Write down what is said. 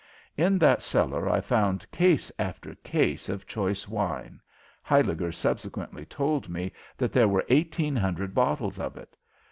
In that cellar I found case after case of choice wine Huyliger subsequently told me that there were eighteen hundred bottles of it.